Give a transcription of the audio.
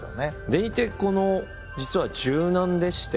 でいて実は柔軟でして。